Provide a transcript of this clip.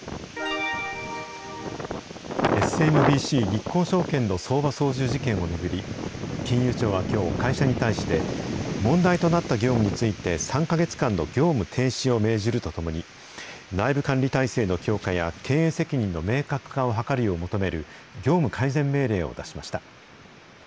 ＳＭＢＣ日興証券の相場操縦事件を巡り、金融庁はきょう、会社に対して、問題となった業務について、３か月間の業務停止を命じるとともに、内部管理態勢の強化や経営責任の明確化を図るよう求める業務改善